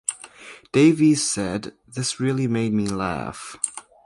Davies said "This really made me laugh".